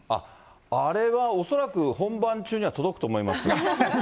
あれは恐らく、本番中には届くと思いますよ。